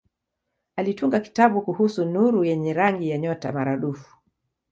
Alitunga kitabu kuhusu nuru yenye rangi ya nyota maradufu.